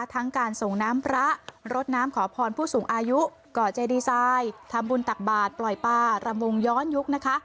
ทั้งการส่งน้ำพระรดน้ำขอพรผู้สูงอายุก่อเจดีไซน์ทำบุญตักบาทปล่อยปลารำวงย้อนยุคนะคะ